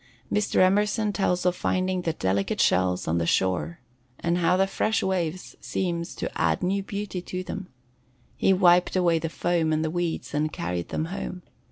Mr. Emerson tells of finding the "delicate shells on the shore," and how the fresh waves seemed to add new beauty to them. He wiped away the foam and the weeds and carried them home.